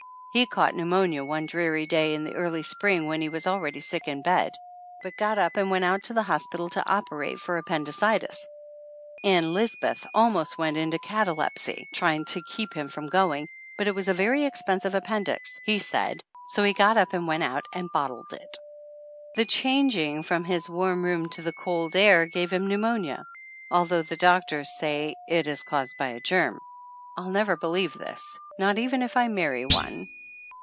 He caught pneumonia one dreary day in the early spring when he was already sick in bed, but got up and went out to the hospital to oper ate for appendicitis. Ann Lisbeth almost went 257 THE ANNALS OF ANN into catalepsy, trying to keep him from going, but it was a very expensive appendix, he said, so he got up and went out and bottled it. The changing from his warm room to the cold air gave him pneumonia, although the doctors say it is caused by a germ. I'll never believe this, not even if I marry one!